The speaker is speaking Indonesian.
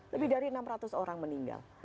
lebih dari enam ratus orang meninggal